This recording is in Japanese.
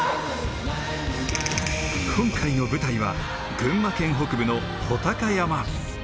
今回の舞台は群馬県北部の武尊山。